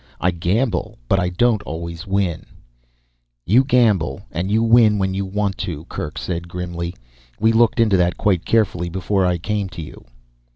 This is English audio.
I gamble but I don't always win ..." "You gamble and you win when you want to," Kerk said grimly. "We looked into that quite carefully before I came to you."